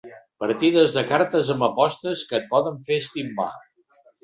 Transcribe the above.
Partides de cartes amb apostes que et poden fer estimbar.